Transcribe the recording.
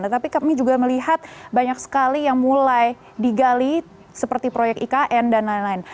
tetapi kami juga melihat banyak sekali yang mulai digali seperti proyek ikn dan lain lain